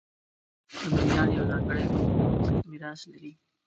اردنیان یو ځانګړی کلتوري میراث لري.